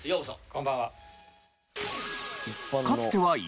こんばんは。